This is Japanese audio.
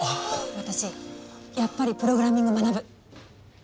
私やっぱりプログラミング学ぶ。